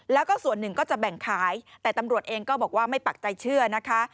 แล้วก็ส่วนหนึ่งก็จะแบ่งขายแต่ตำรวจเองก็บอกว่าไม่ปักใจเชื่อนะคะ